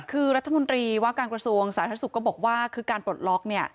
คือรัฐมนตรีว่าการกระทรวงสาธารณสุขก็บอกว่าคือการปลดล็อกเนี่ย